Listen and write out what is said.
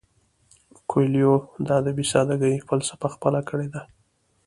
کویلیو د ادبي ساده ګۍ فلسفه خپله کړې ده.